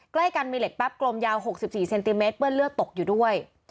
ใกล้กันมีเหล็กแป๊บกลมยาว๖๔เซนติเมตรเปื้อนเลือดตกอยู่ด้วย